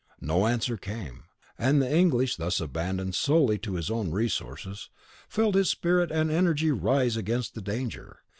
No answer came; and the Englishman, thus abandoned solely to his own resources, felt his spirit and energy rise against the danger.